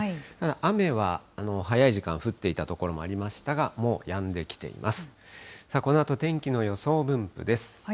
雨は早い時間、降っていた所もありましたが、もうやんできています。